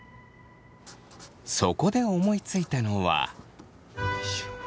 そこで思いついたのは。